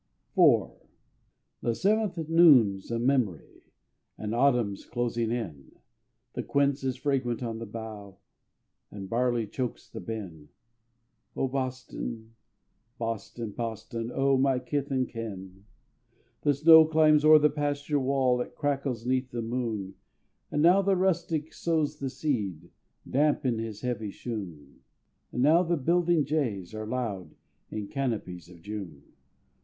IV The seventh noon 's a memory, And autumn 's closing in; The quince is fragrant on the bough, And barley chokes the bin. "O Boston, Boston, Boston! And O my kith and kin!" The snow climbs o'er the pasture wall, It crackles 'neath the moon; And now the rustic sows the seed, Damp in his heavy shoon; And now the building jays are loud In canopies of June.